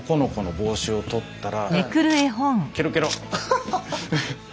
帽子を取ったら。